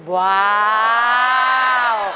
ว้าว